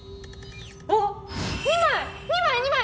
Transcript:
あっ２枚！